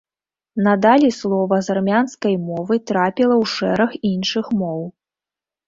Надалей слова з армянскай мовы трапіла ў шэраг іншых моў.